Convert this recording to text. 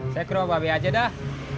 saya kirim sama mbak benaib aja dah